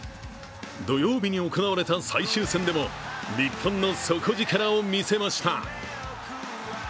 土曜日に行われた最終戦でも日本の底力を見せました。